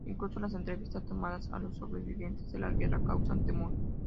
Incluso las entrevistas tomadas a los sobrevivientes de la guerra causan temor".